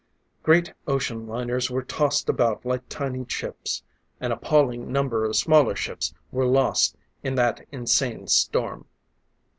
Great ocean liners were tossed about like tiny chips; an appalling number of smaller ships were lost in that insane storm.